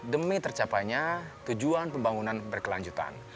demi tercapainya tujuan pembangunan berkelanjutan